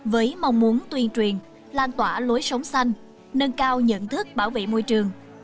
với mong muốn tuyên truyền lan tỏa lối sống xanh nâng cao nhận thức bảo vệ môi trường